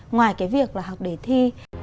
ngoài cái việc là học để thi